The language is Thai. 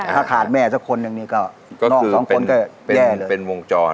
ถ้าขาดแม่สักคนหนึ่งนี่ก็น้องสองคนก็แย่เลยเป็นวงจร